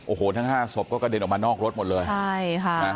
โอ้โหทั้ง๕ศพก็กระเด็นออกมานอกรถหมดเลย